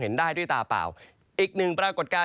ได้ด้วยตาเปล่าอีกหนึ่งปรากฏการณ์